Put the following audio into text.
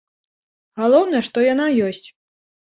Галоўнае, што яна ёсць.